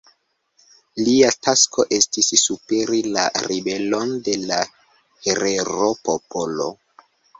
Lia tasko estis superi la ribelon de la herero-popolo.